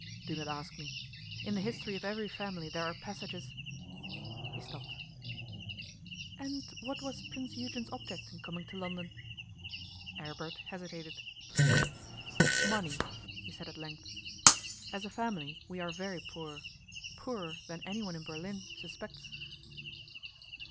'Do not ask me. In the history of every family there are passages ' He stopped. 'And what was Prince Eugen's object in coming to London?' Aribert hesitated. 'Money,' he said at length. 'As a family we are very poor poorer than anyone in Berlin suspects.